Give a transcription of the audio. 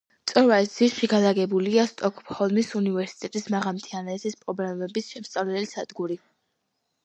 მწვერვალის ძირში განლაგებულია სტოკჰოლმის უნივერსიტეტის მაღალმთიანეთის პრობლემების შემსწავლელი სადგური.